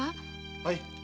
・はい。